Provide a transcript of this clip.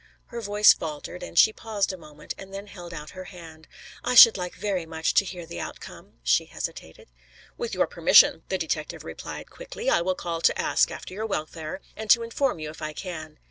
Her voice faltered, she paused a moment, and then held out her hand. "I should like very much to hear the outcome," she hesitated. "With your permission," the detective replied quickly, "I will call to ask after your welfare, and to inform you if I can."